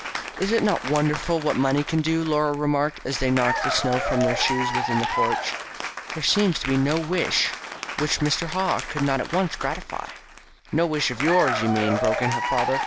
"Is it not wonderful what money can do?" Laura remarked, as they knocked the snow from their shoes within the porch. "There seems to be no wish which Mr. Haw could not at once gratify." "No wish of yours, you mean," broke in her father.